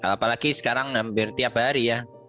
apalagi sekarang hampir tiap hari ya